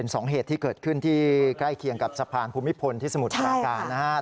สองเหตุที่เกิดขึ้นที่ใกล้เคียงกับสะพานภูมิพลที่สมุทรปราการนะครับ